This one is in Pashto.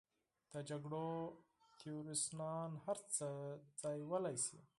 د جګړو تیورسنان هر څه ځایولی شي.